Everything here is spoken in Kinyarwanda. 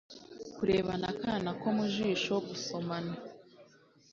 kurebana akana komujisho, gusomana,